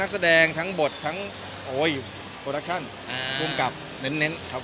แสดงทั้งบททั้งโปรดักชั่นภูมิกับเน้นครับ